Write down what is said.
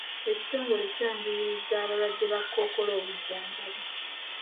Ekitongole kyanguyirizza abalwadde ba kkookolo obujjanjabi.